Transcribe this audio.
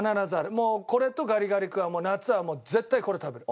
もうこれとガリガリ君は夏はもう絶対これ食べる。